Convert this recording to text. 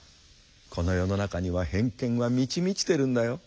「この世の中には偏見は満ち満ちてるんだよ。